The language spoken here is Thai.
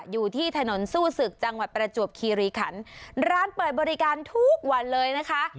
อยู่ที่ถนนสู้ศึกจังหวัดประจวบคีรีขันร้านเปิดบริการทุกวันเลยนะคะ